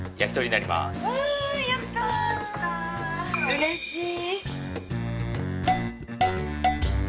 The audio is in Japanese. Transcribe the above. うれしい。